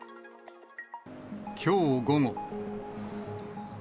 きょう午後。